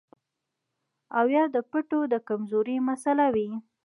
او يا د پټو د کمزورۍ مسئله وي